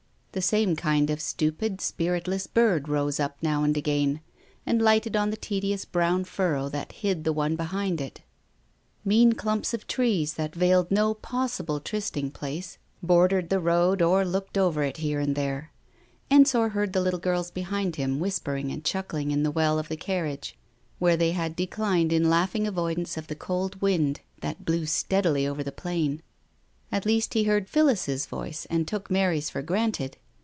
The same kind of stupid, spiritless bird rose up now and again, and lighted on the tedious brown furrow that hid the one behind it. Mean clumps of trees that veiled no possible Digitized by Google 256 TALES OF THE UNEASY trysting place, bordered the road or looked over it here and there. Ensor heard the little girls behind him whispering and chuckling in the well of the carriage where they had declined in laughing avoidance of the cold wind that blew steadily over the plain. At least he heard Phillis's voice and took Mary's for granted.